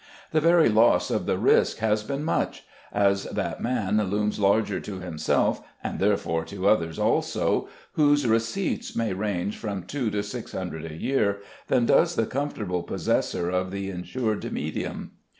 The very loss of the risk has been much! as that man looms larger to himself, and therefore to others also, whose receipts may range from two to six hundred a year, than does the comfortable possessor of the insured medium.